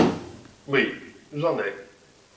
Oui. J’en ai.